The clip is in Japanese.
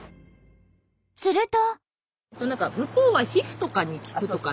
すると。